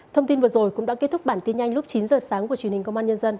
thông tin vừa rồi cũng đã kết thúc bản tin nhanh lúc chín giờ sáng của truyền hình công an nhân dân